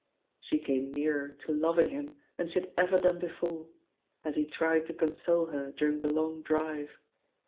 She came nearer to loving him than she had ever done before, as he tried to console her during the long drive.